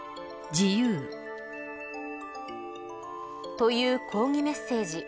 という抗議メッセージ。